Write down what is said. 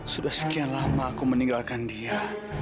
sudah sekian lama aku meninggalkan dia